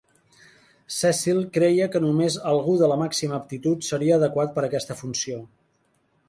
Cecil creia que només algú de la màxima aptitud seria adequat per a aquesta funció.